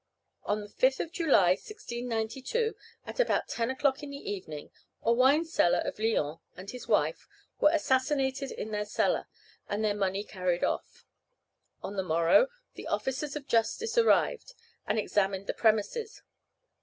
On the 5th July, 1692, at about ten o'clock in the evening, a wine seller of Lyons and his wife were assassinated in their cellar, and their money carried off. On the morrow, the officers of justice arrived, and examined the premises.